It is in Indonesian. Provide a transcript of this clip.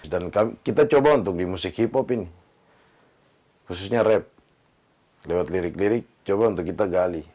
dan kita coba untuk di musik hip hop ini khususnya rap lewat lirik lirik coba untuk kita gali